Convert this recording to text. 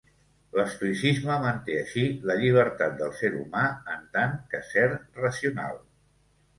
L'estoïcisme manté així la llibertat del ser humà en tant que ser racional.